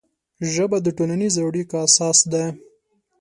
ژبه د ټولنیزو اړیکو اساس ده